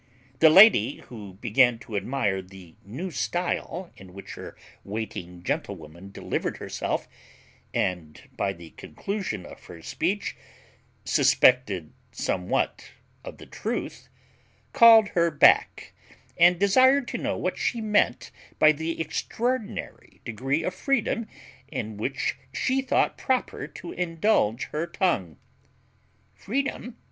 The lady, who began to admire the new style in which her waiting gentlewoman delivered herself, and by the conclusion of her speech suspected somewhat of the truth, called her back, and desired to know what she meant by the extraordinary degree of freedom in which she thought proper to indulge her tongue. "Freedom!"